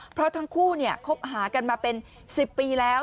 เพราะทั้งคู่คบหากันมาเป็น๑๐ปีแล้ว